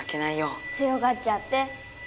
強がっちゃって。